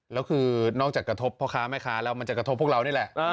แล้วคือนอกจากกระทบพ่อค้าแม่ค้าแล้วมันจะกระทบพวกเรานี่แหละ